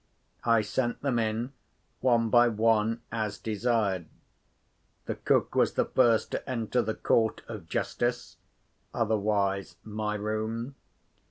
I sent them in, one by one, as desired. The cook was the first to enter the Court of Justice, otherwise my room.